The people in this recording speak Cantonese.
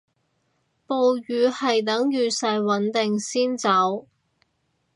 暴雨係等雨勢穩定先走